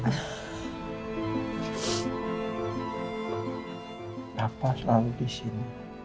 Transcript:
papa selalu disini